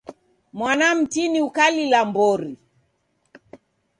Mwana mtini ukalila mbori.